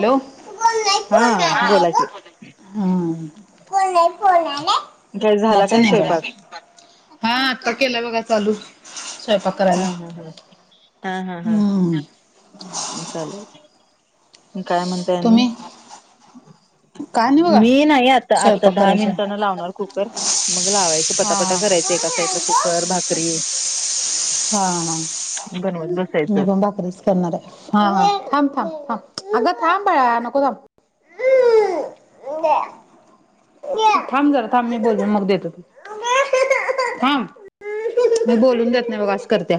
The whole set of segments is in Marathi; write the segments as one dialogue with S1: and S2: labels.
S1: हॅलो!
S2: हा बोला की
S1: कोण आलंय?
S2: काय झाला
S1: नाच
S2: काय
S1: नाही बाळा.
S2: स्वयंपाक
S1: हा आता केलं बघा चालू, स्वयंपाक
S2: हा
S1: करायला
S2: हा हा चालू हे, मग काय म्हणता यांनी
S1: तुम्ही काय नाही बघा
S2: मी नाही आता-आता
S1: स्वयंपाक
S2: दहा
S1: करायचा
S2: मिनिटांनी लावणार कुकर मग लावायचं पटा-पटा
S1: हा
S2: करायचं. एका
S1: कोण नाही
S2: साईडला
S1: ग
S2: कुकर, भाकरी
S1: हा ना,
S2: बनवत
S1: मी
S2: बसायचं
S1: पण भाकरीच णार, हा- हा थांब-थांब-थांब अगं थांब बाळा नको थांब.
S2: [inaudible]
S1: थांब जरा, थांब मी बोलून मग देत होती. थांब. मग बोलून देत नाही बघा असं करत्या.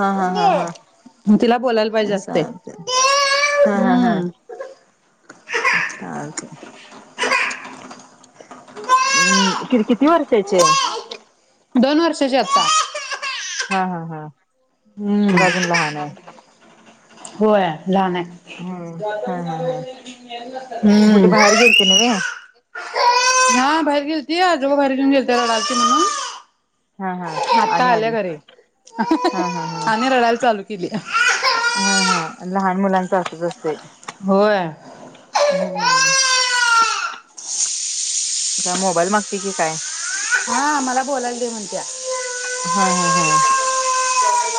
S2: हा हा हा हा
S1: मग तिला बोलायला पाहिजे असते.
S2: चालते चालतंय. अं किर किती वर्षाची आहे.
S1: दोन वर्षांची आता.
S2: हा-हा-हा,
S1: हम्म
S2: मग अजून लहान आहे.
S1: होय, लहान आहे.
S2: हम्म हा हा हा कुठे
S1: हम्म.
S2: बाहेर गेलते नव्हे
S1: हा बाहेर गेलती आजोबा बाहेर घेऊन गेलते रडालती म्हणून.
S2: हा, हा.
S1: आत्ता
S2: आणि
S1: आल्या
S2: आली
S1: घरी
S2: हा हा हा
S1: आणि रडायला चालू केली.
S2: हा हा लहान मुलांच असच असतंय.
S1: होय.
S2: हम्म! म काय मोबाईल मागती की काय.
S1: हा मला बोलायला दे म्हणत्या.
S2: हा हा हा‌.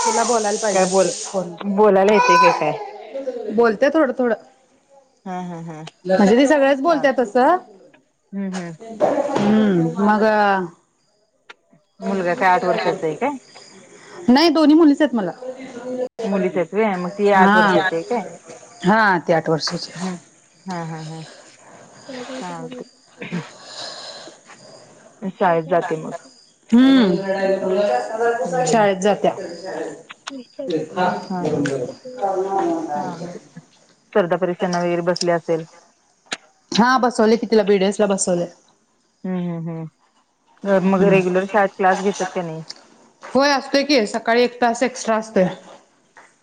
S1: तिला बोलायला पाहिजे
S2: बोल
S1: असतंय फोन‌.
S2: बोलायला येते काय काय
S1: बोलत्या थोडं थोडं.
S2: हा, हा, हा.
S1: म्हणजे ती सगळंच बोलत्या
S2: हम्म
S1: तसं. हम्म! मग,
S2: मुलगा काय आठ वर्षाचा आहे काय.
S1: नाही दोन्ही मुलीचं आहेत मला.
S2: मुलीच आहेत व्हय मग ती आठ
S1: हा
S2: वर्षाची आहे काय
S1: हा ती आठ वर्षाची आहे.
S2: हम्म हा हा हा [unintelligible] जाते मग
S1: हम्म!
S2: हम्म
S1: शाळेत जात्या. हे खा
S2: हा
S1: गरम
S2: हा
S1: गरम खाऊन
S2: चालतंय
S1: [unintelligible]
S2: स्पर्धा परीक्षांना वगैरे बसली असेल.
S1: हा बसवलंय की तिला बीडीएस ला बसवलंय.
S2: हम्म हम्म हम्म, मग रेग्युलर शाळेत क्लास घेत्यात का नाही‌.
S1: होय असतोय की सकाळी एक तास एक्सट्रा असतोय.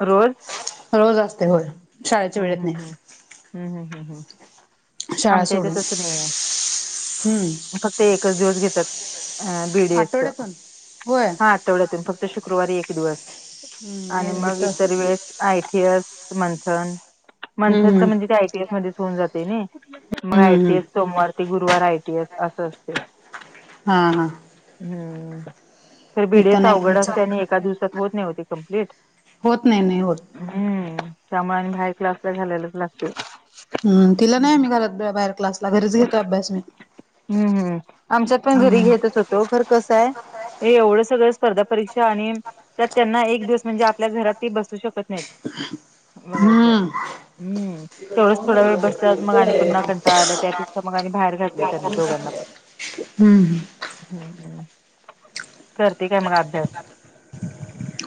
S2: रोज.
S1: रोज असते होय शाळेच्या
S2: हम्म
S1: वेळेत नाही.
S2: हम्म हम्म हम्म हम् हम् हम्,
S1: शाळा
S2: आमच्या इथे
S1: सोडून
S2: तस नाहीये
S1: हम्म
S2: फक् क्त एकच दिवस घेतात, हा बीडीएस च
S1: आठवड्यातून होय
S2: हा. आठवड्यातून फक्त शुक्रवारी एक दिवस आणि
S1: हम्म
S2: मग
S1: इथं
S2: इतर वेळेस आयटीएस मंथन मंथनच
S1: हम्म
S2: म्हणजे ते आयटीएस मध्येचं होऊन जातंय नै. मग
S1: हम्म हम्म
S2: आयटीएस
S1: हम्म
S2: सोमवार ते गुरुवार आयटीएस असं असतंय.
S1: हा, हा.
S2: हम्म! ते
S1: इथं
S2: बीडीएस
S1: नाही
S2: अवघड
S1: आमचं
S2: असतंय आणि एका दिवसात होत नाही ओ ते कंप्लीट.
S1: होत नाही नाही होत
S2: हम्म त्यामुळे आणि बाहेर क्लासला घालायलाच लागतंय‌.
S1: हम्म तिला नाही आम्ही घरात बाहेर क्लासला घरीच घेतोय अभ्यास मी.
S2: हम्म हम्म, आमच्यात पण घरी घेतच होतो खर कसं आहे. हे एवढं सगळं स्पर्धा परीक्षा आणि त्यात त्यांना एक दिवस म्हणजे आपल्या घरात ती बसू शकत नाहीत. बघायचं
S1: हम्म!
S2: हम्म तेवढंच थोडा वेळ बसतात मग आणि पुन्हा कंटाळा आलाय त्यापेक्षा मग आणि बाहेर घातलंय
S1: [unintelligible]
S2: त्यांना
S1: हम्म
S2: दोघांना पण.
S1: हम्म.
S2: [inaudible] करते काय मग अभ्यास?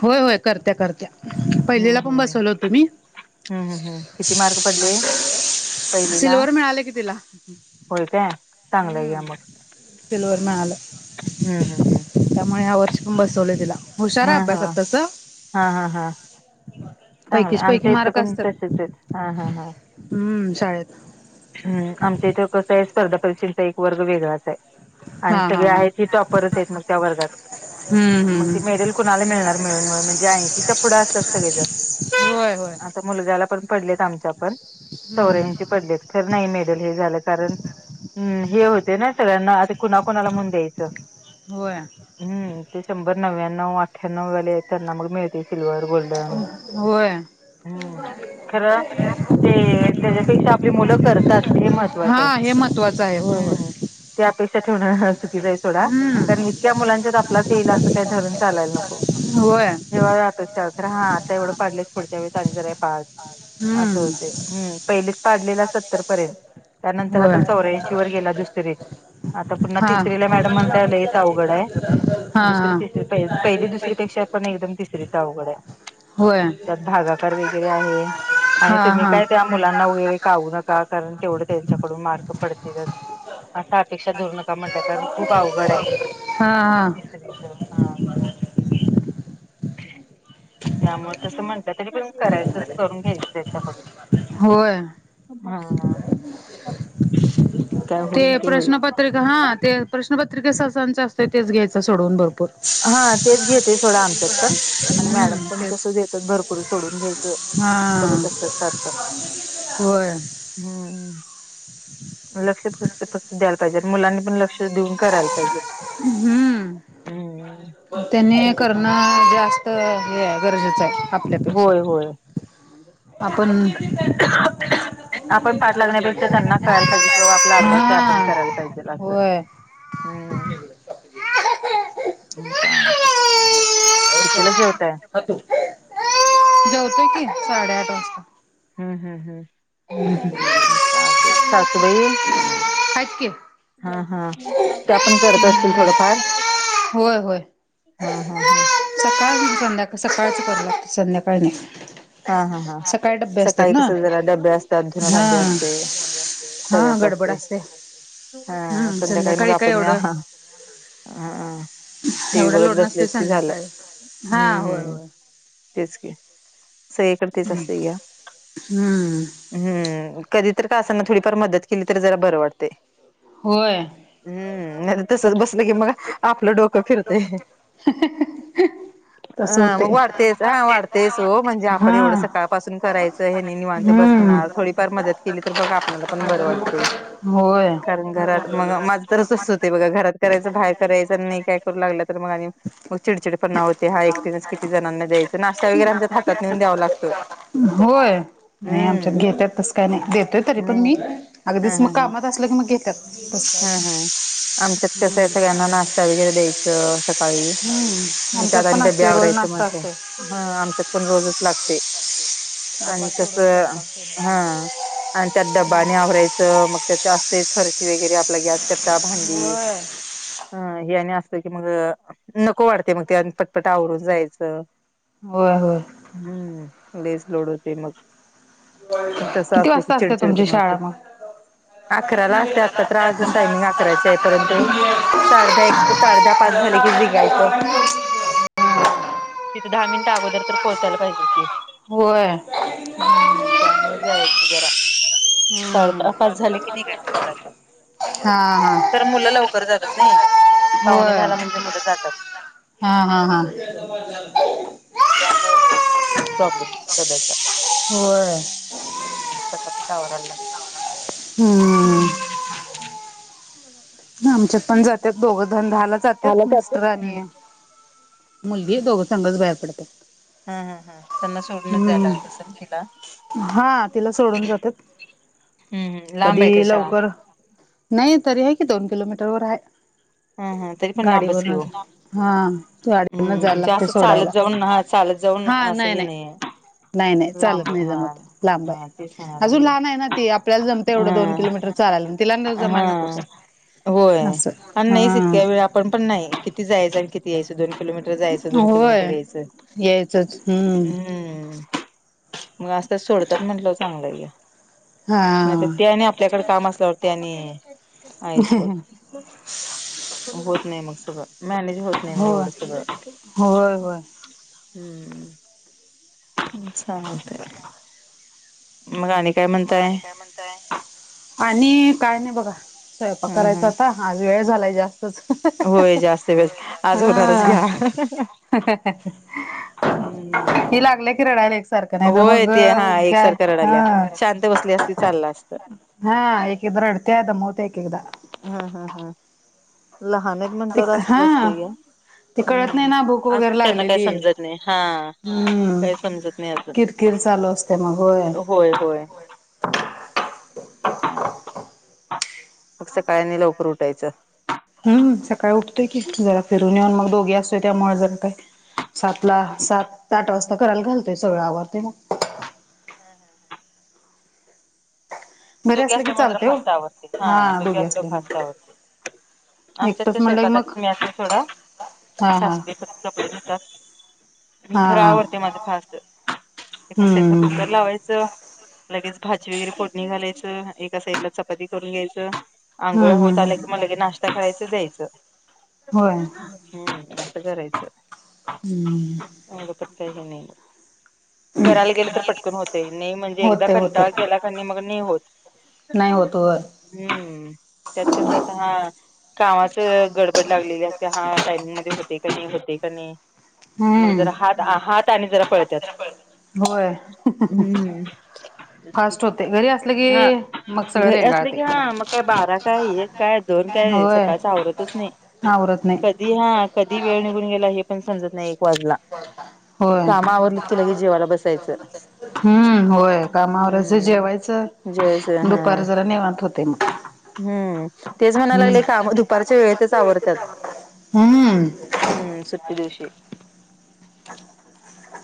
S1: होय होय करत्या करत्या
S2: हम्म
S1: पहिलीला पण
S2: हम्म.
S1: बसवल होतं मी.
S2: हम्म हम्म किती मार्क पडले? पहिलीला?
S1: सिल्वर मिळालं कि तिला
S2: होय काय चांगलं आहे
S1: हम्म.
S2: घ्या मग.
S1: सिल्वर मिळालं.
S2: हम्म हम्म हम्म.
S1: त्यामुळे ह्या वर्ष पण बसवले तिला हुशार आहे
S2: हा हा
S1: अभ्यासात तसं.
S2: हा हा हा चांगलं
S1: पैकीच पैकी
S2: आमच्या इथं
S1: मार्क
S2: पण
S1: असतात.
S2: तसेच आहेत हा हा हा.
S1: हम्म शाळेत
S2: हम्म आमच्या इथं कसं आहे स्पर्धा परीक्षाचा वर्ग वेगळाच आहे आणि
S1: हा हा
S2: सगळे
S1: हा
S2: आहे ते टॉपरच आहेत मग त्या वर्गात
S1: हम्म
S2: मग ते
S1: हम्म
S2: मेडल कुणाला मिळणार मिळून मिळून म्हणजे ऐंशीच्या पुढं असतात सगळे जर.
S1: होय होय.
S2: आता मुलगाला पण पडलेत आमच्या पण
S1: हम्म
S2: चौऱ्यांशी
S1: हम्म
S2: पडलेत खरं नाही मेडल हे झालं कारण हम्म हे होते ना सगळ्यांना आता कुणाकुणाला म्हणून द्यायचं.
S1: होय.
S2: हम्म ते शंभर नव्यानव, अठ्ठयानवं वाले त्यांना मग मिळते सिलव्हर, गोल्डन
S1: होय.
S2: हम्म खरं ते त्याच्यापेक्षा आपली मुलं तात हे महत्त्वाचं आहे
S1: हा हे महत्त्वाचं आहे होय होय.
S2: हम्म ती अपेक्षा ठेवणार तीज ही सोडा कारण
S1: हम्म
S2: इतक्या मुलांच्यात आपलाच येईल असं काही धरून चालायला नको.
S1: होय
S2: जेव्हा [unintelligible] आता एवढं पडलेस पुढच्या वेळेस आणि जरा हे पाड असं
S1: हम्म
S2: होते पहिलेच पाडलेलं सत तर पर्यंत त्यानंतर आता
S1: होय
S2: चौऱ्यांशी वर गेला दुसरीत. आता पुन्हा
S1: हा.
S2: तिसरीला मॅडम म्हणताय लेईच अवघड आहे
S1: हा
S2: दुसरी, तिसरी,
S1: हा
S2: पहिली, दुसरीपेक्षा पण एकदम तिसरीचा अवघड आहे.
S1: होय
S2: त्यात भागाकार वगैरे आहे आणि
S1: हा
S2: तुम्ही
S1: हा
S2: काय त्या मुलांना वगैरे काउनच का कारण तेवढं त्यांच्याकडून मार्क पडतीलचं असा अपेक्षा धरू नका म्हणजे कारण खूप अवघड आहे
S1: हा हा
S2: तिसरीचा हा. त्यामुळे तसं म्हणतं तरी पण करायचं तसं करून घ्यायचं त्याच्याकडून.
S1: होय.
S2: हां.
S1: ते प्रश्नपत्रिका हा ते प्रश्नपत्रिका सासांच असतं तेच घ्यायचं सोडवून बरो
S2: हा तेच घेतात थोडं आमच्यात पण आणि मॅडम
S1: हम्म
S2: पण कसं
S1: तेच
S2: देतात भरपूर सोडून घ्यायचं
S1: हा
S2: बघत असतात सारखं.
S1: होय.
S2: हम्म.
S1: ह
S2: लक्ष फक्त फक्त द्यायला पाहिजे मुलांनी पण लक्ष देऊन करायला पाहिजे.
S1: हम्म.
S2: हम्म. मग
S1: त्यांनी
S2: काय चांगलं.
S1: करणं जास्त हे आहे गरजेचं आहे आपल्यापेक्षा.
S2: होय होय
S1: आपण
S2: आपण पाठ लागण्यापेक्षा त्यांना कळायला पाहिजे कि बाबा आपला अभ्यास आहे आपण
S1: हा
S2: करायला पाहिजेत असं.
S1: होय
S2: मी सांगते
S1: [unintelligible]
S2: हम्म हम्म हम्म. पाहते सासुबाई
S1: आहेत की
S2: हा हा. त्या पण करत असतील थोडंफार.
S1: होय होय
S2: हा, हा, हा.
S1: सकाळ संध्याका सकाळच करू लागतात. संध्याकाळ नाही.
S2: हा, हा, हा.
S1: सकाळी डब्बे असतात
S2: सकाळी
S1: ना
S2: कस जरा डबे असतात. धुन
S1: हा
S2: भांडी असतयं.
S1: हा गडबड असतयं.
S2: हा. संध्याकाळी मग आपण
S1: एवढं
S2: याहा हम. टीव्ही
S1: एवढं
S2: बघत
S1: लोड नसते
S2: बसलेत की झालं.
S1: संध्याकाळी हा
S2: हम्म,
S1: होय
S2: हम्
S1: होय
S2: तेच कि. सगळीकड तेच असतय घ्या.
S1: हम्म
S2: हम्म. कधी तर का असांना थोडीफार मदत केली तर जरा बरं वाटतयं.
S1: होय.
S2: हम्म. नाही तसच बसलं की मग आपलं डोकं फिरतय.
S1: [unintelligible]
S2: ह.
S1: तस
S2: मग
S1: होते
S2: वाढतयच हा. वाढतयच हो. म्हणजे आ पण
S1: हा
S2: एवढं सका ळ पासन करायचं. हे नि निवांत
S1: हम्म
S2: बसणार थोडीफार मदत केली तर, मग आपल्याला पण बर वाटतय.
S1: होय
S2: कारण घरात मग माझं तरचत होते बघा घरात करायचं बाहेर करायचं आणि नाही काय करू लागलं तर मग आणि मग चिडचिड पणव्हते हा एकटीने किती जणांना द्यायच. नाशता वगैरे आमच्या हात नेऊन द्यावा लागतो.
S1: होय. नाही आमच्यात
S2: हम्म
S1: घेत्यात तस काय नाही. देतोय तरी पण
S2: नाही
S1: मी. अगदीच मग कामात- - असलं की मग घेत्यात.
S2: हम, हम. आमच्यात कसं हाय सगळ्यांना नाश्ता वगैरे द्यायच. रोज सकाळी
S1: हम्म. आमच्यात
S2: त्यात
S1: पण
S2: डब्बे
S1: असतोय रोज
S2: आवरायचं
S1: नाश्ता
S2: म्हटलं.
S1: असतोय.
S2: हं. आमच्यात पण रोजच लागतय. आणि
S1: डब्बा
S2: कस
S1: सोडून स्वयंपाक
S2: हा
S1: सोडून.
S2: आणि त्यात डबा आणि आवरायच. मग त्यात असतय फरशी वगैरे आपला गॅसकट्टा भांडी.
S1: होय.
S2: अं हे आणि असत की मग नको वाटतय मग ते आणि पटपट आवरून जायचं.
S1: होय, होय.
S2: हम्म. लइच लोड होतय मग. मग तस
S1: किती
S2: असल कि
S1: वाजता असते
S2: चिडचिड
S1: तुमची
S2: पणा होतयं.
S1: शाळा मग?
S2: अकराला असते आता तर अजून टायमिंग अकराचे आहे परंतु साडेदहा एक साडेदहा पाच झाले की निघायचं. तिथं दहा मिनट अगोदर तर पोचायला पाहिजेल.
S1: होय.
S2: हम्म. त्यामुळे जायचं जरा.
S1: हम्म.
S2: साडेदहा पाच झाले की निघायच घरातून.
S1: हा हा.
S2: तर मुलं लवकर जातात नई. पाहुणे
S1: होय.
S2: दहाला म्हणजे मुलं जातात.
S1: हा, हा, हा.
S2: त्यामुळे हे होत प्रॉब्लेम डब्याचा.
S1: होय.
S2: हम्. पटापटा आवरायला लागतयं.
S1: हम्म. आमच्या पण जातात दोघं धन दहाला
S2: आला
S1: जात्यात
S2: जातो
S1: मिस्टर
S2: हम्म
S1: आणि मुलगी दोघ संघच बाहेर पडत्यात.
S2: हम, हम, हम. त्यांना सोडूनच जायला लागत असल तिला.
S1: हा तिला सोडून जातात.
S2: हम्म, हम्. लांब हाय
S1: कधी
S2: का शाळा?
S1: लवकर नाही तरी हाय की दोन किलोमीटर वर हाय.
S2: हा हा तरी पण लांबच की ओ
S1: गाडीवरनच हा गाडीवरन
S2: हम्म
S1: जायला
S2: म्हणजे
S1: लागतय
S2: असं चालत
S1: सोडायला.
S2: जाऊन हा चालत जाऊन
S1: हा
S2: असं
S1: नाही
S2: हे
S1: नाही
S2: नाहीये.
S1: नाही नाही चालत
S2: लांब आहे
S1: नाही
S2: हा
S1: जमत लांबाय.
S2: हा तेच म्हणायला
S1: अजून लहान
S2: लागले
S1: आहे ना ती आपल्याला जमते एवढं दोन
S2: हा
S1: किलोमीटर चालायल. तिला न जमायला नको
S2: हा
S1: काय.
S2: होय
S1: असं
S2: आणि नाहीच
S1: हा
S2: इतक्या वेळ आपण पण नाही किती जायचं आणि किती यायचं दोन किलोमीटर. [unintelligible] जायचं दोन किलोमीटर
S1: होय
S2: यायचं. हम्म. मग [unintelligible] सोडत्यात म्हटलं चांगलं हे. नाहीतर
S1: हा
S2: ते आणि आपल्याकडे काम असल्यावर ते आणि आहेच बघ. होत नाही मग सगळं. मॅनेज होत नाही मग
S1: होय
S2: एवढं सगळं.
S1: होय होय आणि
S2: हम्म अ्छा मगाणी
S1: मग आणि काय म्हणतय आणि काय नाही बघा स्वयंपाक
S2: ह
S1: करायचा
S2: ह
S1: आता आज वेळ झालाय जास्त
S2: होय जास्त वेळ आज होणारच
S1: हा
S2: घ्या हम्म
S1: ह लागलं की रडायला एकसारखं नाही तर
S2: होय
S1: मग
S2: ते हा
S1: उ्या
S2: एकसारखं
S1: ह
S2: रडाल्या शांत बसली असती चाललं असतं
S1: हा एककद्र अडतेयद मत येककदा
S2: हा हा हा लहान एक
S1: ते
S2: म्हंटलंवर असं जा
S1: हा
S2: असतंय का
S1: ते कळत नाही
S2: हम्म
S1: ना भूक
S2: अजून
S1: वगैरे
S2: त्यांना काही
S1: लागलेली आहे
S2: समजत नाही हा
S1: हम्म
S2: काही समजत नाही अजून
S1: किरकिर चालू असते मगय
S2: होय होय चालते फ सकाळ नाही लवकर उठायचं
S1: हम्म सकाळी उठतोय की जरा फिरून येऊन मग दोघे असतय त्यामुळेळ जरा काय सात ला सात ते आठ वाजता करायला घालतय सगळं आवते मग
S2: हम हम हम
S1: घरी
S2: दुघ्या
S1: असलं
S2: असतो
S1: की
S2: मणजरा
S1: चालतंय हो
S2: फास्त आवडते हा दुघे
S1: दोघी
S2: असतो
S1: असले मग
S2: फास्ता आवडते आमच्यात
S1: एकटंच
S2: ते
S1: म्हणलं की मग
S2: स्वयंपाकातम्ही आजचा थोडा
S1: हा हा
S2: सासवी कपडे घेतात मी
S1: हा
S2: खरं
S1: हा
S2: आवडते माझ फास् एकाथलं
S1: हम्म
S2: कुकर लावायचं लगेच भाजी वगैरे फोडणी घालायचं एका साइडला चपाती करून घ्यायचं आंघोळ्या
S1: हम्म हम्म
S2: होत आल्या की
S1: हम्म
S2: मला की नाश्ता करायचं द्यायचं
S1: होय
S2: हम् कस करायचं
S1: हम्म
S2: हो गपता ये नन करायला गेले तर पटकन होते नाही म्हणजे एकदा
S1: होते होते
S2: कंटा केला क नाही मग नाही होत
S1: नाही होत वर
S2: हम्म त्यात कसता हा कामाच गडबड लागलेली त्या हा टायमिंगमध्ये होते का नाही होते का नाही मग
S1: हम्म
S2: जरा हात हात आणि जरा पळतात
S1: होय फास्ट होते घरी असलं की
S2: हा
S1: मग सगळं
S2: घरी असले
S1: रेंगाळते
S2: की हा मग काय बारा काय एक काय दोन काय
S1: होय
S2: सकाळच आवरतच नाही
S1: आवरत नाही
S2: कधी हा कधी वेळ निघून गेला हे पण समजत नाही एक वाजला
S1: ब हा
S2: कामा आवरलं केलं की जीवाला बसायचं
S1: हम्म होय कामावर ज
S2: हम्म
S1: जेवायचं
S2: जेवायचं
S1: दुपार
S2: हा
S1: जरा नेवात होते मग
S2: हम्म तेच म्हणायला लागले
S1: हम्म
S2: की आम दुपारच्या वेळेतच आवडतात
S1: हमन
S2: हम् सुट्ट दिवशीे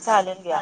S2: चालेल घ्या